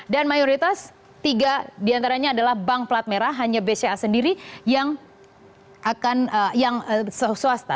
dan mayoritas tiga diantaranya adalah bank pelat merah hanya bca sendiri yang akan yang swasta